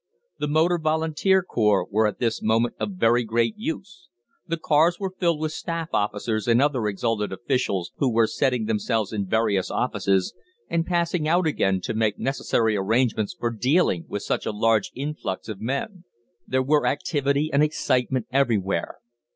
The Motor Volunteer Corps were at this moment of very great use. The cars were filled with staff officers and other exalted officials, who were settling themselves in various offices, and passing out again to make necessary arrangements for dealing with such a large influx of men. There were activity and excitement everywhere.